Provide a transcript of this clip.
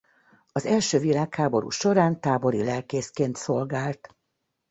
Az első világháború során tábori lelkészként szolgált.